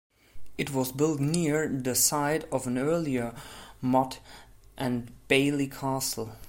It was built near the site of an earlier motte and bailey castle.